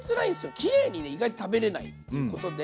キレイにね意外と食べれないってことで。